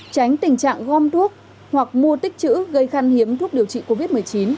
tránh tình trạng gom thuốc hoặc mua tích chữ gây khăn hiếm thuốc điều trị covid một mươi chín